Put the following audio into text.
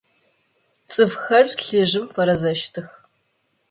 Цӏыфхэр лӏыжъым фэрэзэщтых.